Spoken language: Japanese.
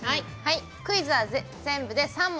クイズは全部で３問。